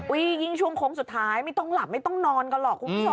ยิ่งช่วงโค้งสุดท้ายไม่ต้องหลับไม่ต้องนอนกันหรอกคุณผู้ชม